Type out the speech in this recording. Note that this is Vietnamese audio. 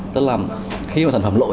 tức là khi sản phẩm lỗi